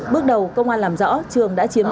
bước đầu công an làm rõ trường đã chiếm